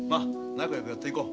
仲よくやっていこう。